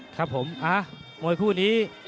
ครับผมมวยคู่นี้